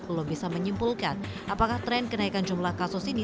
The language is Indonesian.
belum bisa menyimpulkan apakah tren kenaikan jumlah kasus ini